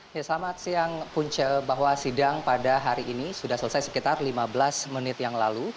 selamat siang punca bahwa sidang pada hari ini sudah selesai sekitar lima belas menit yang lalu